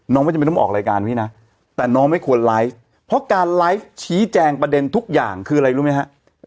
ไม่จำเป็นต้องออกรายการพี่นะแต่น้องไม่ควรไลฟ์เพราะการไลฟ์ชี้แจงประเด็นทุกอย่างคืออะไรรู้ไหมฮะ